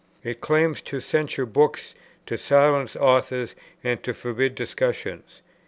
It claims to censure books, to silence authors, and to forbid discussions.